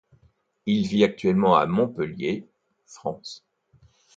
Il vit actuellement à Montpellier, France.